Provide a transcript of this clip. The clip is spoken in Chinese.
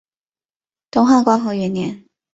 东汉光和元年。